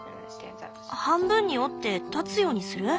半分に折って立つようにする？